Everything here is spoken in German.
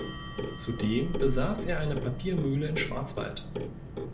Zudem besaß er eine Papiermühle im Schwarzwald.